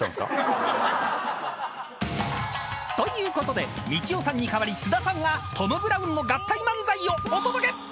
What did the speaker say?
［ということでみちおさんに代わり津田さんがトム・ブラウンの合体漫才をお届け！］